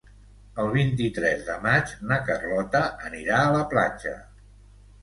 El vint-i-tres de maig na Carlota anirà a la platja.